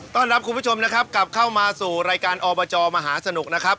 ต้อนรับคุณผู้ชมนะครับกลับเข้ามาสู่รายการอบจมหาสนุกนะครับ